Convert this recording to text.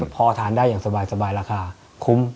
พอทานได้อย่างสบายราคาคุ้ม